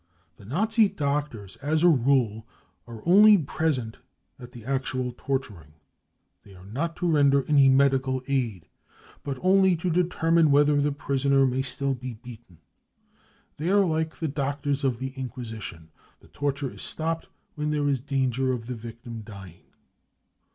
The Nazi doctors as a rule are only present at the actual torturing ; they are not to render any medical aid, but only to deter mine whether the prisoner may still be beaten. They are like the doctors of the Inquisition : the torture is stopped when there is danger of the victim dying.